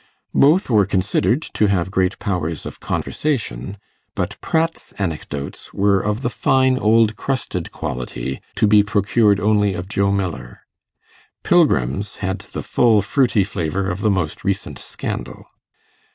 Both were considered to have great powers of conversation, but Pratt's anecdotes were of the fine old crusted quality to be procured only of Joe Miller; Pilgrim's had the full fruity flavour of the most recent scandal.